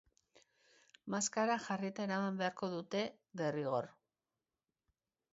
Maskara jarrita eraman beharko dute derrigor.